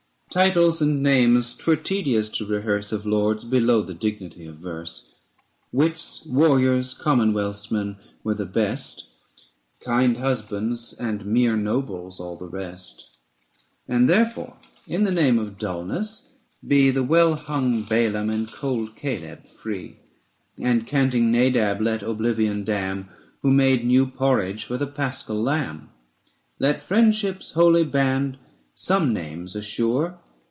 Titles and names 'twere tedious to rehearse Of lords below the dignity of verse. 570 Wits, warriors, commonwealth's men were the best ; Kind husbands and mere nobles all the rest. And therefore in the name of dulness be The well hung Balaam and cold Caleb free ; And canting Nadab let oblivion damn 575 Who made new porridge for the paschal lamb. Let friendship's holy band some names assure.